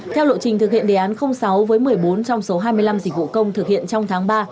theo lộ trình thực hiện đề án sáu với một mươi bốn trong số hai mươi năm dịch vụ công thực hiện trong tháng ba